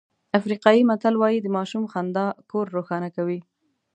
افریقایي متل وایي د ماشوم خندا کور روښانه کوي.